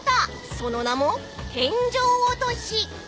［その名も天井落とし］